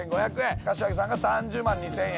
柏木さんが３０万２，０００円。